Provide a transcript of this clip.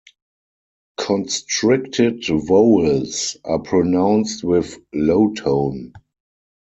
Constricted vowels are pronounced with low tone.